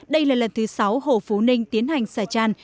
đây là lần thứ sáu hồ phú ninh tiến hành xả tràn